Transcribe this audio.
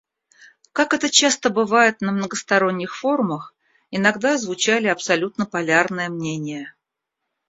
Как это часто бывает на многосторонних форумах, иногда звучали абсолютно полярные мнения.